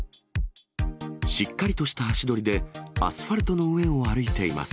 しっかりとした足取りで、アスファルトの上を歩いています。